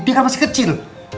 dia kan masih kecil